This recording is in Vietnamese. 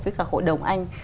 với cả hội đồng anh